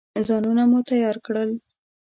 ځانونه مو تیار کړل.